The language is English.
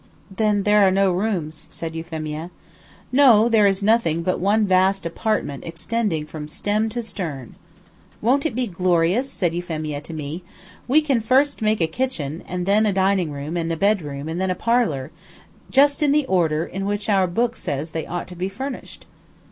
"Then there are no rooms," said Euphemia. "No, there is nothing but one vast apartment extending from stem to stern." "Won't it be glorious!" said Euphemia to me. "We can first make a kitchen, and then a dining room, and a bedroom, and then a parlor just in the order in which our book says they ought to be furnished."